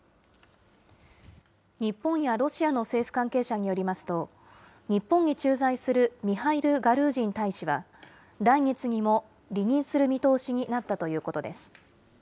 日本やロシアの政府関係者によりますと、日本に駐在するミハイル・ガルージン大使は、来月にも離任する見通しになったということです。